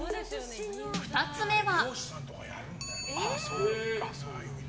２つ目は。